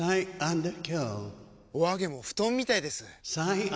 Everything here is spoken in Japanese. お揚げも布団みたいです！